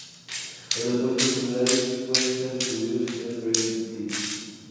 Los depósitos funerarios pueden ser distribuidos en tres períodos distintos.